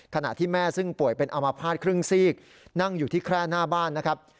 ขณะที่แม่ซึ่งป่วยเป็นอามภาษณครึ่งซีกนั่งอยู่ที่แคร่หน้าบ้านนะครับ